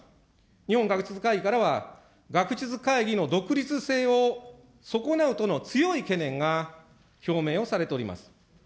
日本学術会議からは学術会議の独立性を、損なうとの強い懸念が表明をされております。